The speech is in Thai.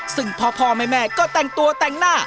ซึ่งพ่อแม่ก็แต่งตัวแต่งหน้า